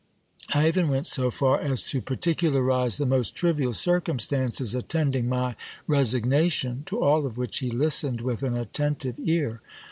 I even went so far as to particularize the most trivial cir cumstances attending my resignation, to all of which he listened with an atten tive ear.